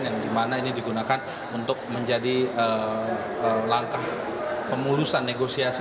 yang dimana ini digunakan untuk menjadi langkah pemulusan negosiasi